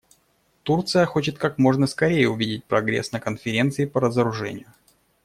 Турция хочет как можно скорее увидеть прогресс на Конференции по разоружению.